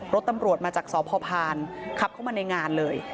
รถตำรวจมาจากสพพานขับเข้ามาในงานเลย